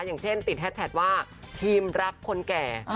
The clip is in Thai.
อย่างเช่นติดแฮสแท็กว่าทีมรักคนแก่